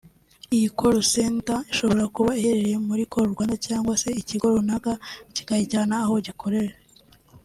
Iyi Call Centre ishobora kuba iherereye muri Call Rwanda cyangwa se ikigo runaka kikayijyana aho gikorera